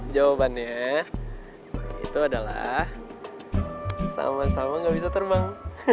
jawabannya itu adalah sama sama gak bisa terbang